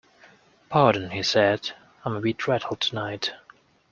“Pardon,” he said, “I’m a bit rattled tonight”.